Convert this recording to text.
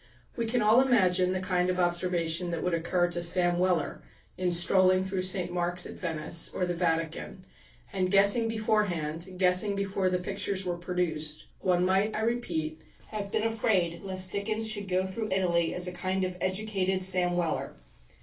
We can all imagine the kind of observation that would occur to Sam Weller in strolling through St. Mark's at Venice, or the Vatican; and, guessing beforehand, guessing before the "Pictures" were produced, one might, I repeat, have been afraid lest Dickens should go through Italy as a kind of educated Sam Weller.